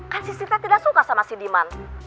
kan si sri tidak suka sama si diman